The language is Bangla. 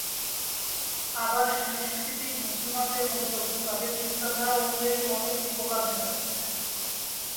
আবার সাংস্কৃতিক মুসলমানদের মধ্যেও তাদের চিন্তাধারা অনুযায়ী অনেক প্রকারভেদ আছে।